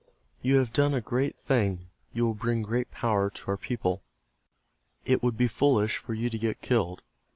Yon have done a great thing. You will bring great power to our people. It would be foolish for you to get killed.